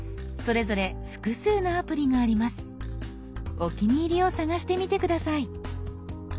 お気に入りを探してみて下さい。